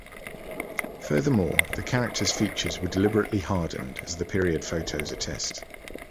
Furthermore, the character’s features were deliberately hardened as the period photos attest.